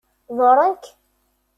Ḍurren-k?